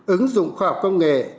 ứng dụng khoa học công nghệ